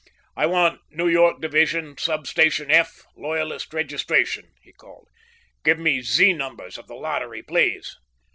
"I want New York Division, Sub station F, Loyalist Registration," he called. "Give me Z numbers of the lottery, please."